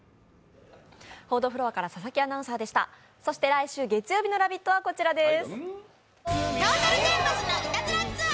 来週月曜日の「ラヴィット！」はこちらです。